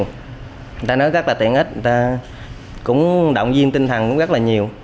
người ta nói rất là tiện ích người ta cũng động viên tinh thần cũng rất là nhiều